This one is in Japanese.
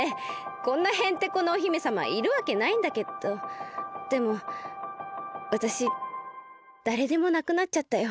こんなヘンテコなお姫さまいるわけないんだけどでもわたしだれでもなくなっちゃったよ。